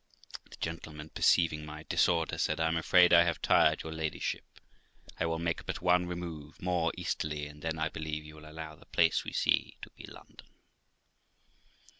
The gentleman, perceiving my disorder, said, 'I am afraid I have tired your ladyship; I will make but one remove, more easterly, and then I believe you will allow the place we see to be London.'